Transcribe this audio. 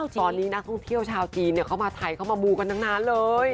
ตอนนี้นักท่องเที่ยวชาวจีนเข้ามาไทยเข้ามามูกันทั้งนั้นเลย